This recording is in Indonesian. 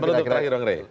berhutup terakhir bang rey